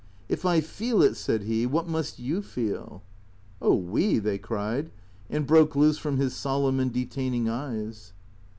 " If I feel it," said he, " what must you feel ?"" Oh, we !" they cried, and broke loose from his solemn and detaining eyes.